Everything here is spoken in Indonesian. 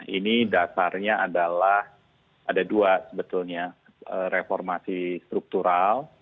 ini dasarnya adalah ada dua sebetulnya reformasi struktural